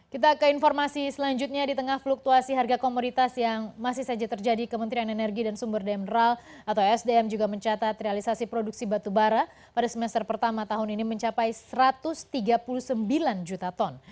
kita ke informasi selanjutnya di tengah fluktuasi harga komoditas yang masih saja terjadi kementerian energi dan sumber daya mineral atau esdm juga mencatat realisasi produksi batubara pada semester pertama tahun ini mencapai satu ratus tiga puluh sembilan juta ton